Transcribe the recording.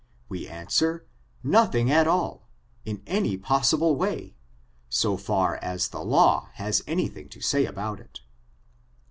We answer — nothing at all, in any possible way, so far as the law has any thing to say about it.